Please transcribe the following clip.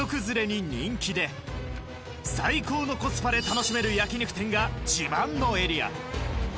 最高のコスパで楽しめる焼肉店が自慢のエリア